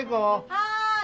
・はい！